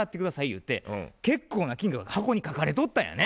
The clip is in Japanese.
ゆうて結構な金額が箱に書かれとったんやね。